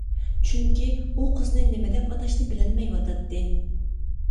چۈنكى ئۇ قىزنى نېمە دەپ ئاتاشنى بىلەلمەيۋاتاتتى.